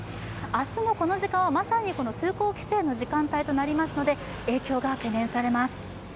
明日もこの時間はまさに通行規制の時間となりますので影響が懸念されます。